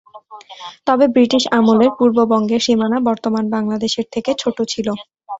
তবে ব্রিটিশ আমলের পূর্ববঙ্গের সীমানা বর্তমান বাংলাদেশের থেকে ছোট ছিলো।